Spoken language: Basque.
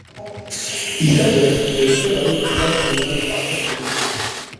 Izatez, euskara du ikasi duen azken hizkuntza.